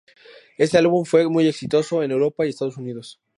Este álbum fue muy exitoso en Europa y Estados Unidos.